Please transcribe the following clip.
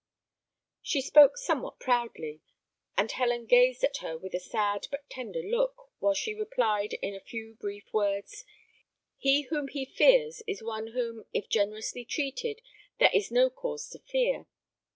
She spoke somewhat proudly, and Helen gazed at her with a sad but tender look, while she replied, in a few brief words, "He whom he fears is one whom, if generously treated, there is no cause to fear.